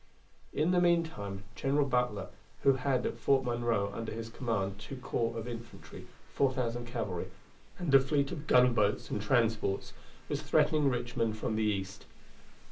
In the meantime General Butler, who had at Fort Monroe under his command two corps of infantry, 4,000 cavalry, and a fleet of gunboats and transports, was threatening Richmond from the east.